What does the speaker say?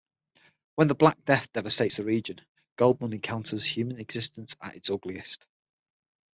When the Black Death devastates the region, Goldmund encounters human existence at its ugliest.